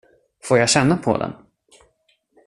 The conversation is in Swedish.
Får jag känna på den?